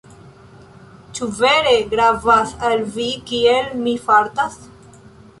Ĉu vere gravas al vi kiel mi fartas?